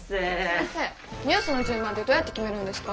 先生ニュースの順番ってどうやって決めるんですか？